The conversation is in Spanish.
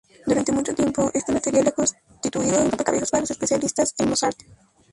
Durante mucho tiempo, este material ha constituido un rompecabezas para los especialistas en Mozart.